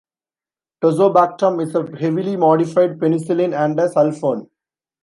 Tazobactam is a heavily modified penicillin and a sulfone.